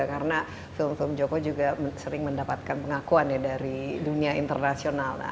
karena film film joko juga sering mendapatkan pengakuan dari dunia internasional